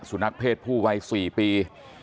นักเพศผู้วัย๔ปี